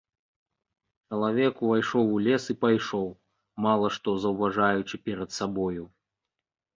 Чалавек увайшоў у лес і пайшоў, мала што заўважаючы перад сабою.